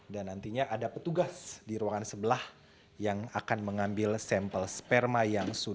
nantinya ada petugas di ruangan sebelah yang akan mengambil sampel sperma yang sudah